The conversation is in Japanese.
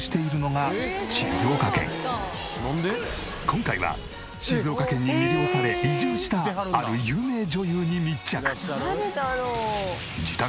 今回は静岡県に魅了され移住したある有名女優に密着！